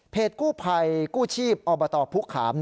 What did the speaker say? กู้ภัยกู้ชีพอบตพุกขาม